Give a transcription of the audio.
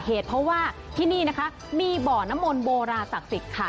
เหตุเพราะว่าที่นี่นะคะมีบ่อนมนต์โบราษักษิกษ์ค่ะ